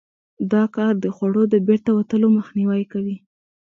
دا کار د خوړو د بیرته وتلو مخنیوی کوي.